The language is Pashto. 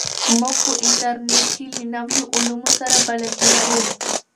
موږ په انټرنیټ کې له نویو علومو سره بلدېږو.